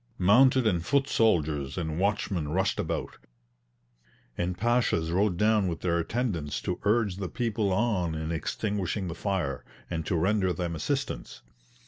Mounted and foot soldiers and watchmen rushed about, and Pashas rode down with their attendants to urge the people on in extinguishing the fire, and to render them assistance.